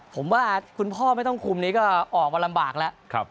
ผมว่าคุณพ่อไม่ต้องคุมนี้ก็ออกมาลำบากแล้ว